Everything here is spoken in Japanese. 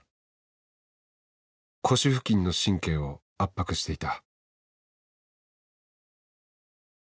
腰付近の神経を圧迫していた。